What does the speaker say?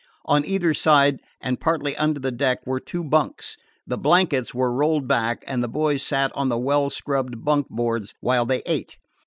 On either side and partly under the deck were two bunks. The blankets were rolled back, and the boys sat on the well scrubbed bunk boards while they ate.